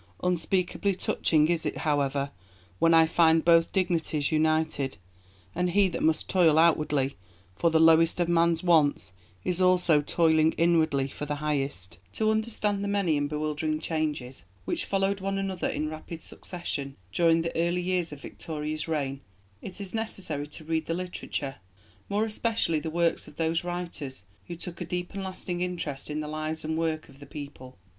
... Unspeakably touching is it, however, when I find both dignities united; and he that must toil outwardly for the lowest of man's wants, is also toiling inwardly for the highest." [Footnote 4: Carlyle, Sartor Resartus.] To understand the many and bewildering changes which followed one another in rapid succession during the early years of Victoria's reign it is necessary to read the literature, more especially the works of those writers who took a deep and lasting interest in the lives and work of the people.